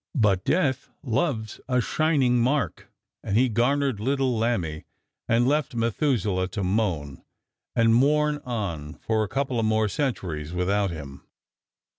But death loves a shining mark, and he garnered little Lammie and left Methuselah to moan and mourn on for a couple more centuries without him.